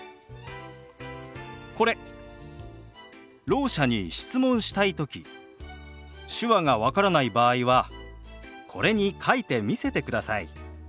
ろう者に質問したい時手話が分からない場合はこれに書いて見せてください。